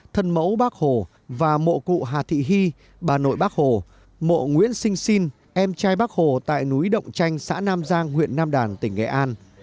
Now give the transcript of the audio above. thân mẫu bác hồ và mộ cụ hà thị hy bà nội bác hồ mộ nguyễn sinh sinh em trai bác hồ tại núi động tranh xã nam giang huyện nam đàn tỉnh nghệ an